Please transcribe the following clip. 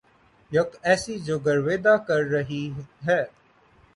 یک ایسی جو گرویدہ کر رہی ہے